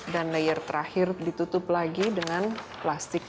dan layer terakhir ditutup lagi dengan plastik